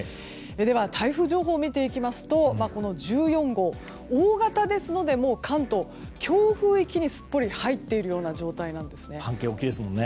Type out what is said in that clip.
では、台風状況見ていきますとこの１４号大型ですので関東は強風域にすっぽりと入っているような状態なんですね。